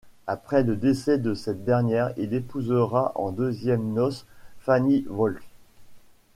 Après le décès de cette dernière, il épousera en deuxièmes noces Fanny Wolff.